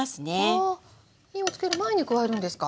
あっ火をつける前に加えるんですか？